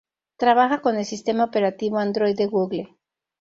Trabaja con el sistema operativo Android de Google.